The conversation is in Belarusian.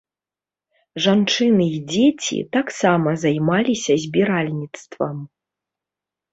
Жанчыны і дзеці таксама займаліся збіральніцтвам.